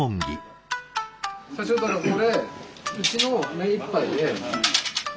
社長これうちの目いっぱいで。